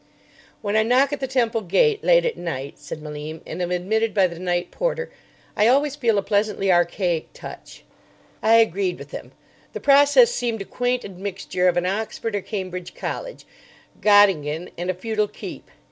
"When I knock at the Temple gate late at night," said Malim, "and am admitted by the night porter, I always feel a pleasantly archaic touch." I agreed with him. The process seemed a quaint admixture of an Oxford or Cambridge college, Gottingen, and a feudal keep.